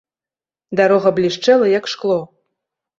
Дарога блішчэла, як шкло.